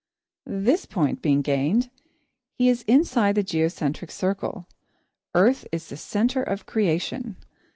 This point being gained, he is inside the geocentric circle. Earth is the centre of creation.